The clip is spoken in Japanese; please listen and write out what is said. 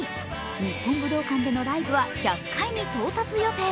日本武道館でのライブは１００回に到達予定。